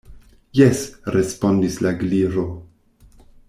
"Jes," respondis la Gliro.